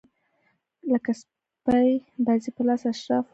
لکه سپي بازي په لاس اشراف واخلي.